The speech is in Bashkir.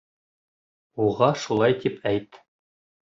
Уға шулай тип әйт.